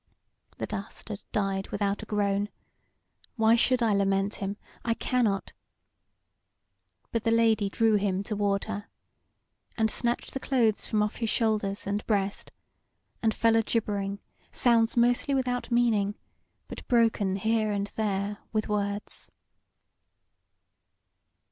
The dastard died without a groan: why should I lament him? I cannot. But the Lady drew him toward her, and snatched the clothes from off his shoulders and breast, and fell a gibbering sounds mostly without meaning, but broken here and there with words.